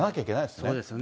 そうですね。